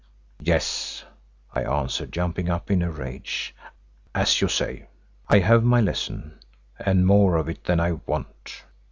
"Yes," I answered, jumping up in a rage, "as you say, I have my lesson, and more of it than I want.